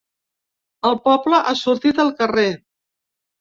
El poble ha sortit al carrer!